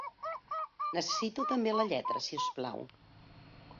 Necessito també la lletra, si us plau.